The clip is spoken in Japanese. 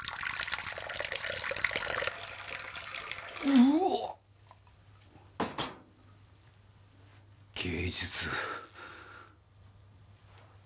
うわっ！芸術。